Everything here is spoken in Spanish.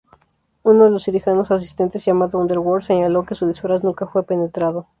Uno de los cirujanos asistentes, llamado Underwood, señaló que "su disfraz nunca fue penetrado.